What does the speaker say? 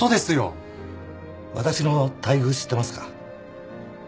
私の待遇知ってますか？